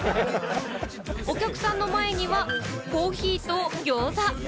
お客さんの前にはコーヒーとぎょうざ。